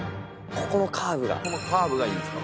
ここのカーブがいいんですか？